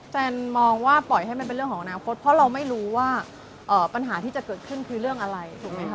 แฟนมองว่าปล่อยให้มันเป็นเรื่องของอนาคตเพราะเราไม่รู้ว่าปัญหาที่จะเกิดขึ้นคือเรื่องอะไรถูกไหมคะ